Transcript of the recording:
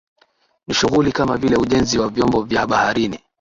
Ni shughuli kama vile ujenzi wa vyombo vya baharini